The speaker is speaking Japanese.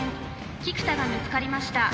菊田が見つかりました。